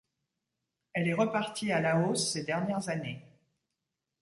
Elle est repartie à la hausse ces dernières années.